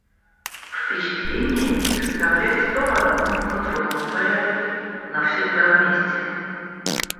Впечатления эти представлялись то в одном, то в другом порядке, но всегда вместе.